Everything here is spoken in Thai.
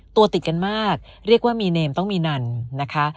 ตัวติดกันมากเรียกว่ามีเนมต้องมีนันนะคะ